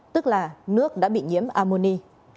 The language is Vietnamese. tức là nước đã bị nhiễm ammoni